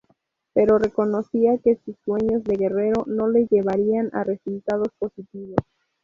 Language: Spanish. Pero reconocía que sus sueños de guerrero no le llevarían a resultados positivos.